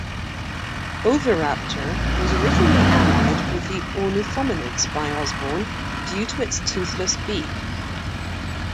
"Oviraptor" was originally allied with the ornithomimids by Osborn due to its toothless beak.